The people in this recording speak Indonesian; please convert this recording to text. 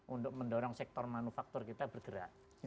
untuk mendorong sektor manufaktur kita bergerak